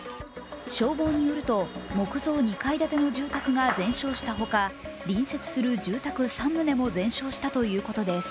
消防によると、木造２階建ての住宅が全焼したほか、隣接する住宅３棟も全焼したということです。